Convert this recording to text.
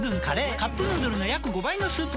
「カップヌードル」の約５倍のスープコスト！